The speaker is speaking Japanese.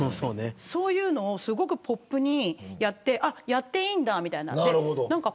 そういうのをポップにやってやっていいんだとか。